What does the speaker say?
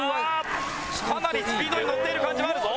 かなりスピードにのっている感じはあるぞ。